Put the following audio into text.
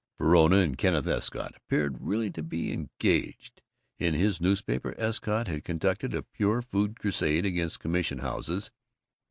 Verona and Kenneth Escott appeared really to be engaged. In his newspaper Escott had conducted a pure food crusade against commission houses.